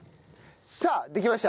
さあできました。